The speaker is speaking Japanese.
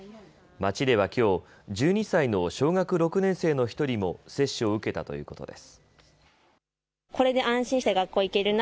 町ではきょう、１２歳の小学６年生の１人も接種を受けたということです。